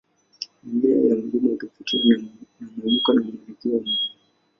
Mimea ya mlima hutofautiana na mwinuko na mwelekeo wa mlima.